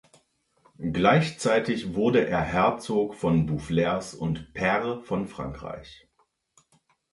Gleichzeitig wurde er Herzog von Boufflers und Pair von Frankreich.